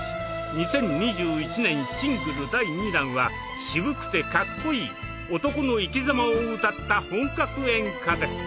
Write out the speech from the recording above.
２０２１年シングル第２弾は渋くてかっこいい男の生きざまを歌った本格演歌です。